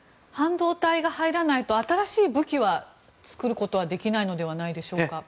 半導体が入らないと新しい武器を作ることはできないのではないでしょうか。